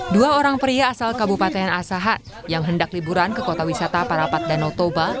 dua orang pria asal kabupaten asahan yang hendak liburan ke kota wisata parapat danau toba